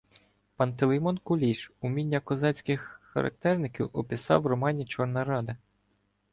Пантелеймон Куліш уміння козацьких характерників описав в романі «Чорна рада»